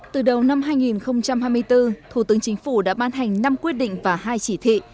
từ đầu năm hai nghìn hai mươi bốn thủ tướng chính phủ đã ban hành năm quyết định và hai chỉ thị